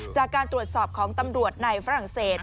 จากการตรวจสอบของตำรวจในฝรั่งเศส